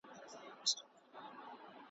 که سینه ساتې له خاره چي رانه سې ,